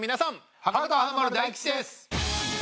博多華丸・大吉です。